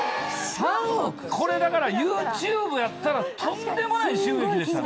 これだからＹｏｕＴｕｂｅやったらとんでもない収益でしたね。